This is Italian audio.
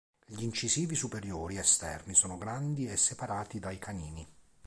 Gli incisivi superiori esterni sono grandi e separati dai canini.